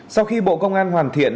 sau khi bộ công an hoàn thiện